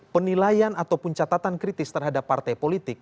penilaian ataupun catatan kritis terhadap partai politik